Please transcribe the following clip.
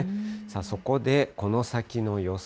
そこで、この先の予想